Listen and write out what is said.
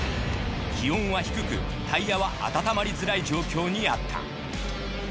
気温は低くタイヤは温まりづらい状況にあった。